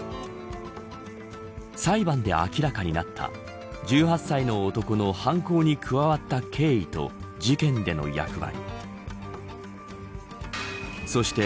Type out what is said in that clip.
裁判で明らかになった１８歳の男の犯行に加わった経緯と事件での役割。